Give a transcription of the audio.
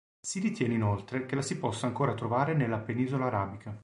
Si ritiene inoltre che la si possa ancora trovare nella Penisola arabica.